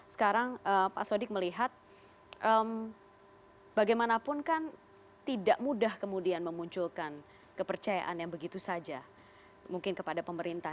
sekarang pak sodik melihat bagaimanapun kan tidak mudah kemudian memunculkan kepercayaan yang begitu saja mungkin kepada pemerintah